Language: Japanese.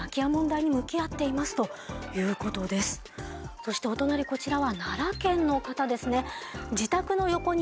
そしてお隣こちらは奈良県の方ですね。